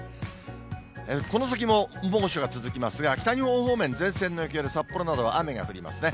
この先も猛暑が続きますが、北日本方面、前線の影響で札幌などは雨が降りますね。